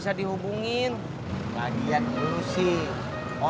jatuh jatuhnya nebeng juga lo